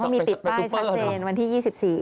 เขาก็มีติดป้ายทัดเจนวันที่๒๔